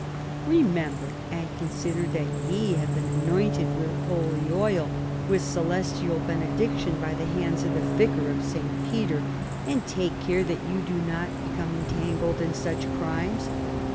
" Remember and consider that ye have been anointed with holy oil Avith celestial benediction bv the hands of the vicar of St. 116 CHARLEMAGNE. Peter, and take care that you do not become entangled in such crimes.